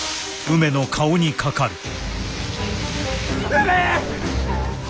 梅！